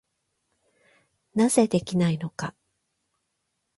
なぜできないのか。